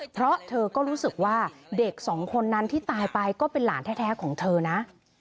เพราะเธอก็รู้สึกว่าเด็กสองคนนั้นที่ตายไปก็เป็นหลานแท้ของเธอนะ